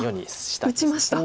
あっ打ちました！